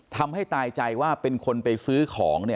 ทำให้ตายใจว่าเป็นคนไปซื้อของ